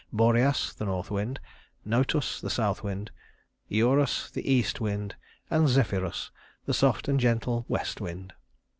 _ Boreas, the north wind; Notus, the south wind; Eurus, the east wind; and Zephyrus, the soft and gentle west wind.